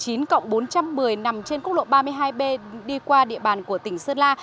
điểm km một mươi chín cộng bốn trăm một mươi nằm trên quốc lộ ba mươi hai b đi qua địa bàn của tỉnh sơn la